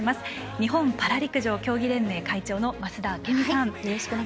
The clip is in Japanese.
日本パラ陸上競技連盟会長の増田明美さん